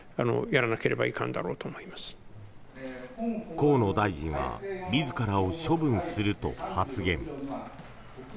河野大臣は自らを処分すると発言。